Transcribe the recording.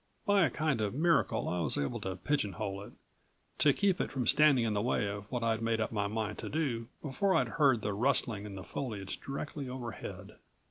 By a kind of miracle I was able to pigeon hole it, to keep it from standing in the way of what I'd made up my mind to do before I'd heard the rustling in the foliage directly overhead.